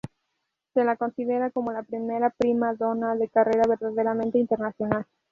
Se la considera como la primera prima donna de carrera verdaderamente internacional.